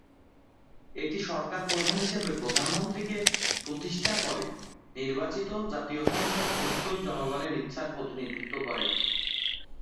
এটি সরকার প্রধান হিসাবে প্রধানমন্ত্রীকে প্রতিষ্ঠা করে; নির্বাচিত জাতীয় সংসদ সত্যই জনগণের ইচ্ছার প্রতিনিধিত্ব করে।